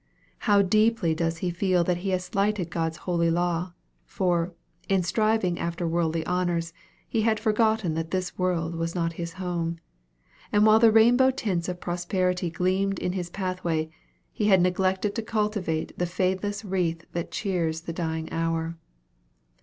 How deeply does he feel that he has slighted God's holy law for, in striving after worldly honors, he had forgotten that this world was not his home; and while the rainbow tints of prosperity gleamed in his pathway, he had neglected to cultivate the fadeless wreath that cheers the dying hour!